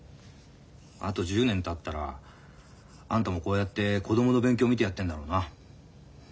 あと１０年たったらあんたもこうやって子供の勉強見てやってんだろうな。